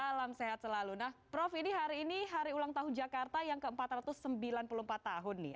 salam sehat selalu nah prof ini hari ini hari ulang tahun jakarta yang ke empat ratus sembilan puluh empat tahun nih